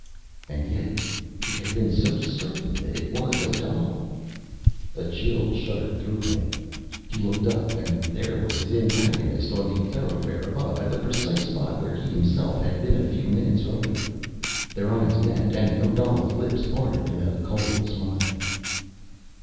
_ And yet ... he had been so certain that it was Odal. A chill shuddered through him. He looked up, and there was his antagonist, on the thoroughfare above, at the precise spot where he himself had been a few minutes earlier. Their eyes met, and Odal's lips parted in a cold smile.